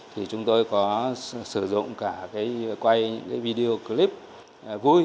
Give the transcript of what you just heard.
thì chúng tôi có sử dụng cả cái quay những cái video clip vui